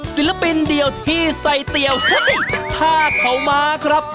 ศิลปินเดียวที่ใส่เตี๋ยวผ้าเขาม้าครับ